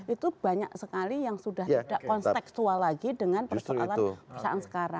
itu banyak sekali yang sudah tidak konteksual lagi dengan persoalan perusahaan sekarang